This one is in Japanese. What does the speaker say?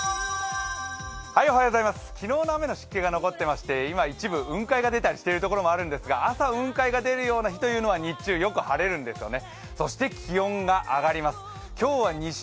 昨日の雨の湿気が残ってまして、今、一部、雲海が出たりしているところがあるんですが朝、雲海が出るような日というのは日中、よく晴れるんですよね。